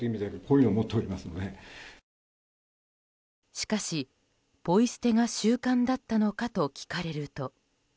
しかし、ポイ捨てが習慣だったのかと聞かれると。